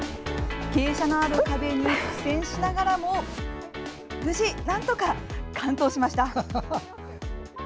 傾斜のある壁に苦戦しながらも無事、なんとか完登しました。